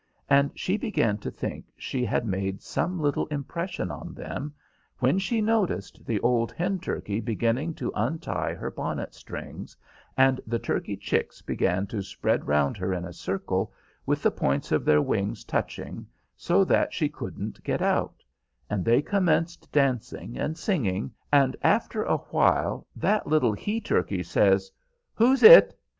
And she began to think she had made some little impression on them, when she noticed the old hen turkey beginning to untie her bonnet strings, and the turkey chicks began to spread round her in a circle, with the points of their wings touching, so that she couldn't get out, and they commenced dancing and singing, and after a while that little he turkey says, "Who's it?"